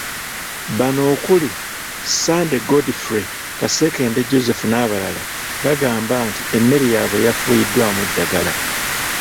Bano okuli; Ssande Godfrey, Kasekende Joseph n'abalala, baagamba nti emmere yaabwe yafuuyiddwamu eddagala.